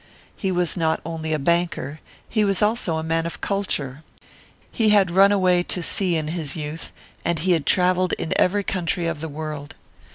He was not only a banker, he was also a man of culture; he had run away to sea in his youth, and he had travelled in every country of the world.